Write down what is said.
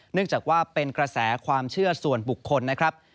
เนื่องจากว่าเป็นกระแสความเชื่อส่วนบุคคลนะครับ